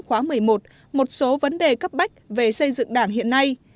phương bốn khóa một mươi một một số vấn đề cấp bách về xây dựng đảng hiện nay